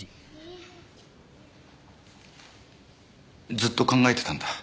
ずっと考えてたんだ。